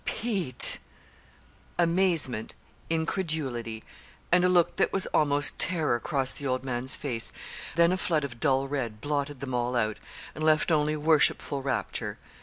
"Pete!" Amazement, incredulity, and a look that was almost terror crossed the old man's face; then a flood of dull red blotted them all out and left only worshipful rapture.